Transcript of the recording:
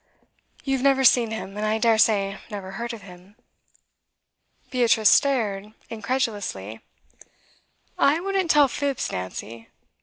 'You have never seen him, and I dare say never heard of him.' Beatrice stared incredulously. 'I wouldn't tell fibs, Nancy.